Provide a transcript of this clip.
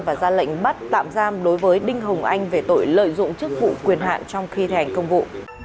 và ra lệnh bắt tạm giam đối với đinh hồng anh về tội lợi dụng chức vụ quyền hạng trong khi thi hành công vụ